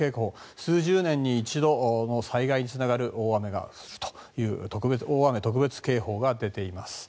数十年に一度の災害につながる大雨が降るという大雨特別警報が出ています。